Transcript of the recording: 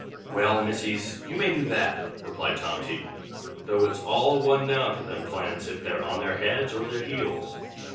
"Well, Missies, you may do that," replied Tomty, "though it's all one now to them plants if they're on their heads or their heels.